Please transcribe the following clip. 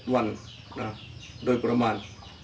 วันโดยประมาณ